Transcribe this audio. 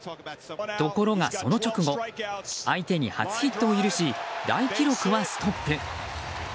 ところが、その直後相手に初ヒットを許し大記録はストップ。